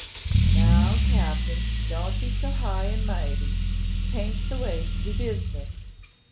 'Now, Captin, don't be so high and mighty! 'Tayn't the way to do business.